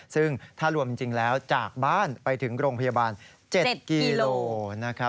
ซึ่งถ้ารวมจริงแล้วจากบ้านไปถึงโรงพยาบาล๗กิโลนะครับ